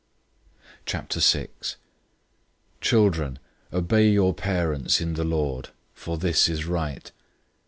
006:001 Children, obey your parents in the Lord, for this is right.